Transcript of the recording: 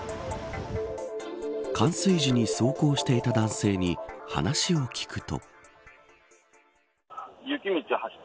冠水時に走行していた男性に話を聞くと。